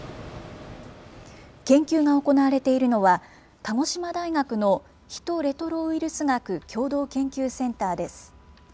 研究が行われているのは、鹿児島大学のヒトレトロウイルス学共同研究センターです。